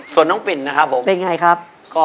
ส่วนน้องปิ่นนะครับ